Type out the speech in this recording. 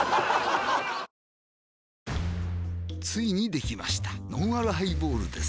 ついにできましたのんあるハイボールです